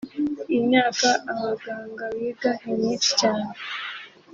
Imyaka abaganga biga ni myinshi cyane